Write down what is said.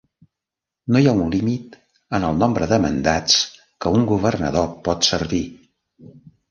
No hi ha un límit en el nombre de mandats que un governador pot servir.